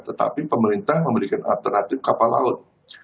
tetapi pemerintah memberikan alternatif kapal laut